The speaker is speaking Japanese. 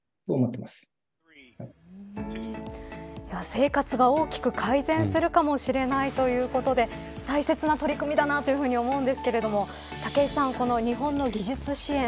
生活が大きく改善するかもしれないということで大切な取り組みだなと思うんですけれども武井さん、この日本の技術支援